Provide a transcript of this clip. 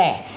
và sinh đẻ